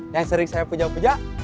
yang sering saya puja puja